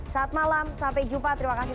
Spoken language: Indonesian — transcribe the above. saat malam sampai jumpa terima kasih